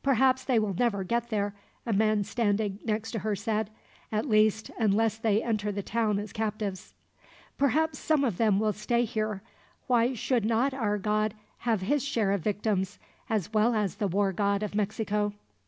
"Perhaps they will never get there," a man standing next to her said. "At least, unless they enter the town as captives. "Perhaps some of them will stay here. Why should not our god have his share of victims, as well as the war god of Mexico?"